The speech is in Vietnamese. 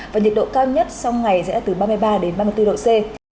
và nhiệt độ cao nhất trong ngày sẽ từ ba mươi ba đến ba mươi bốn độ c